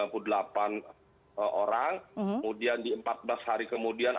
kemudian di empat belas hari kemudian